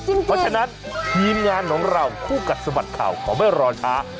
เพราะฉะนั้นทีมงานของเราคู่กัดสะบัดข่าวเขาไม่รอช้า